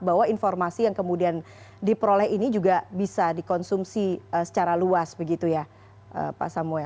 bahwa informasi yang kemudian diperoleh ini juga bisa dikonsumsi secara luas begitu ya pak samuel